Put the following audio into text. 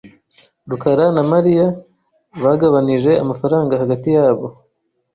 rukarana Mariya bagabanije amafaranga hagati yabo.